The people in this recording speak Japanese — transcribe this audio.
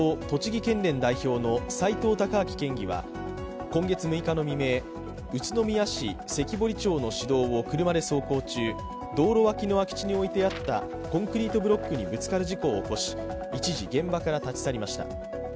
栃木県連代表の斉藤孝明県議は今月６日の未明宇都宮市関堀町の市道を車で走行中道路脇の空き地に置いてあったコンクリートブロックにぶつかる事故を起こし一時、現場から立ち去りました。